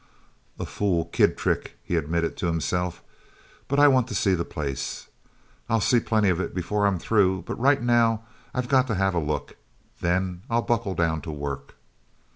"A fool, kid trick," he admitted to himself, "but I want to see the place. I'll see plenty of it before I'm through, but right now I've got to have a look; then I'll buckle down to work.